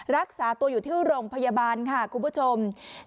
รักษาตัวอยู่ที่โรงพยาบาลค่ะคุณผู้ชม